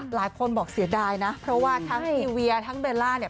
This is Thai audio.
หลายคนบอกเสียดายนะเพราะว่าทั้งพี่เวียทั้งเบลล่าเนี่ย